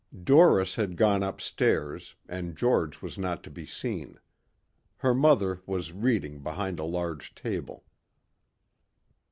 Doris had gone upstairs and George was not to be seen. Her mother was reading behind a large table.